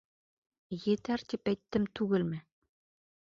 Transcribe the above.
— Етәр, тип әйттем түгелме!